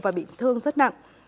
và bị thương rất nặng